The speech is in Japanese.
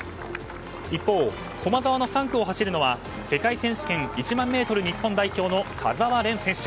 一方、駒澤の３区を走るのは世界選手権１００００ｍ日本代表の田澤廉選手。